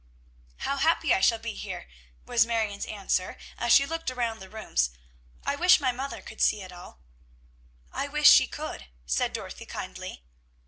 "How happy I shall be here!" was Marion's answer, as she looked around the rooms. "I wish my mother could see it all!" "I wish she could," said Dorothy kindly.